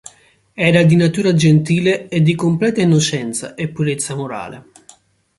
Era di natura gentile e di completa innocenza e purezza morale.